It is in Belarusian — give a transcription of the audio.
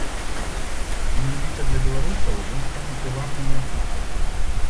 І менавіта для беларусаў ён стане прывабным не хутка.